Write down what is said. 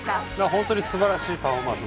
本当にすばらしいパフォーマンス